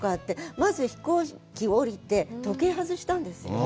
まず飛行機降りて時計を外したんですよ。